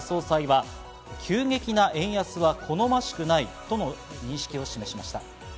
黒田総裁は急激な円安は好ましくないとの認識を示しました。